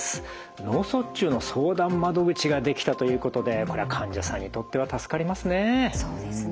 脳卒中の相談窓口が出来たということでこれは患者さんにとっては助かりますね。